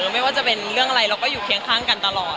ไม่ว่าจะเป็นเรื่องอะไรเราก็อยู่เคียงข้างกันตลอด